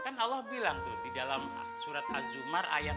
kan allah bilang tuh di dalam surat az zumar ayat enam